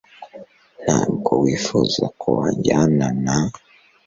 Ntabwo wifuza ko wajyana na